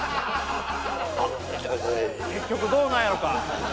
結局どうなんやろか？